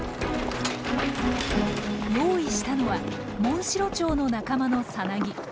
用意したのはモンシロチョウの仲間の蛹。